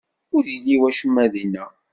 Ur yelli wacemma dinna.